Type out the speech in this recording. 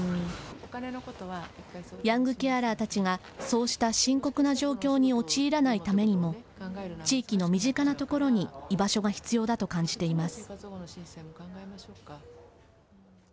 ヤングケアラーたちがそうした深刻な状況に陥らないためにも地域の身近なところに居場所が必要だと感じています。